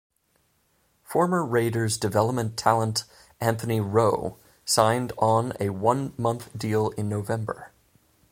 Former Raiders development talent Anthony Rowe signed on a one-month deal in November.